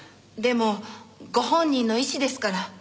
でもご本人の意思ですから。